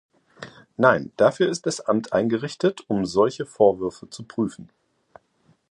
Nein, dafür ist das Amt eingerichtet, um solche Vorwürfe zu prüfen!